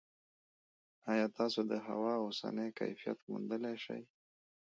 ایا تاسو د هوا اوسنی کیفیت موندلی شئ؟